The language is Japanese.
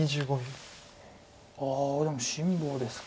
あでも辛抱ですか。